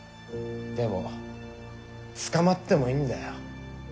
でも捕まってもいいんだよ。